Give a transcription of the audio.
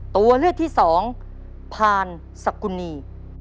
ตัวเลือกที่๒พาลสกุนี